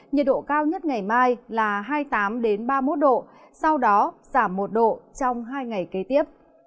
nhiệt độ cao nhất ngày mai là hai mươi tám ba mươi một độ sau đó giảm một độ trong hai ngày kế tiếp